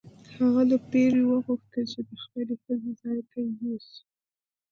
هغه له پیري وغوښتل چې د خپلې ښځې ځای ته یې یوسي.